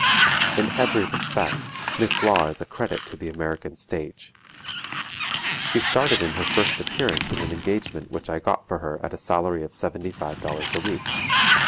In every respect, Miss Law is a credit to the American stage. She started in her first appearance in an engagement which I got for her at a salary of $75.00 a week.